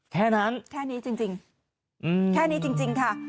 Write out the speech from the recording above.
แค่นั้นแค่นี้จริงจริงอืมแค่นี้จริงจริงค่ะ